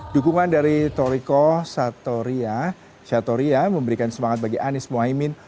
dukungan dari torikoh satanariah memberikan semangat bagi anies mohamid